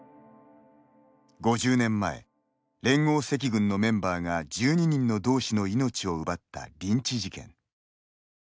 ５０年前、連合赤軍のメンバーが１２人の同志の命を奪ったリンチ事件。